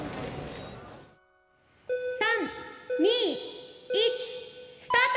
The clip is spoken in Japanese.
３２１スタート！